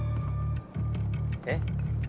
えっ？